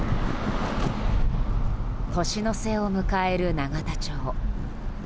年の瀬を迎える永田町。